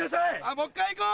もう１回行こう！